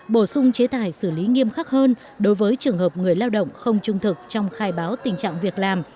bổ sung chế tài xử lý nghiêm khắc hơn đối với trường hợp người lao động không trung thực trong khai báo tình trạng việc làm